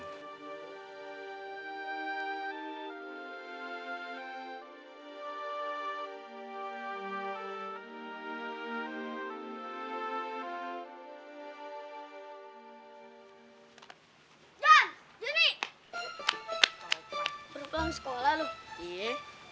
dia kesukaan tentang dia